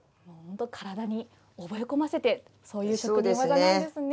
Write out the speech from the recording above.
体に覚え込ませて、そういう職の技なんですね。